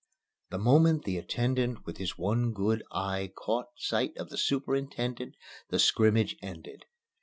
The moment the attendant with his one good eye caught sight of the superintendent the scrimmage ended.